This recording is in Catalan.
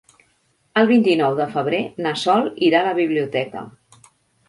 El vint-i-nou de febrer na Sol irà a la biblioteca.